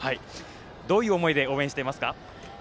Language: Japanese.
どういう思いで応援していますか。